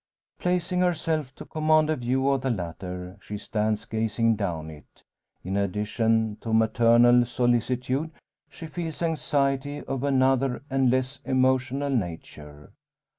Placing herself to command a view of the latter, she stands gazing down it. In addition to maternal solicitude, she feels anxiety of another and less emotional nature.